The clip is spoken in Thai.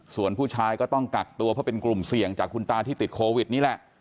ส่วนผู้ชายก็ต้องกักตัวเพราะเป็นกลุ่มเสี่ยงจากคุณตาที่ติดโควิดนี่แหละ